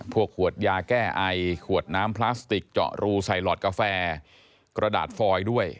ขวดยาแก้ไอขวดน้ำพลาสติกเจาะรูใส่หลอดกาแฟกระดาษฟอยด้วย